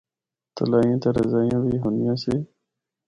تلائیاں تے رضائیاں وی ہوندیاں سی۔